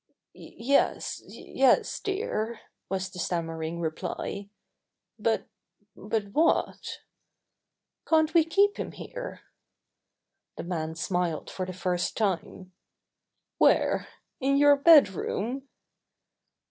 "Yes, yes, dear," was the stammering reply. "But what?" "Can't we keep him here?" 119 120 Buster the Bear The man smiled for the first time. "Where in your bed room?"